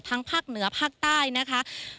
ภาคเหนือภาคใต้นะคะ